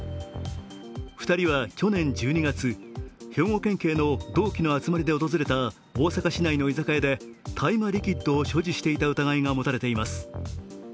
２人は去年１２月、兵庫県警の同期の集まりで訪れた大阪市内の居酒屋で大麻リキッドを所持していた疑いが持たれています。